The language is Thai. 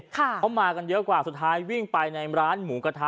เขามากันเยอะกว่าสุดท้ายวิ่งไปในร้านหมูกระทะ